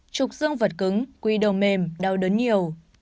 chụp dương vật cứng quy đầu mềm đau đớn nhiều